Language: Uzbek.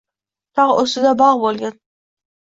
Tog‘ ustida bog‘ bo‘lgin.